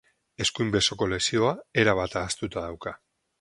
Eskuin besoko lesioa erabat ahaztuta dauka.